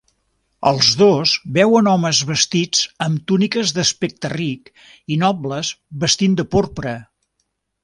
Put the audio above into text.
Els dos veuen homes vestits amb túniques d'aspecte ric i nobles vestint de porpra.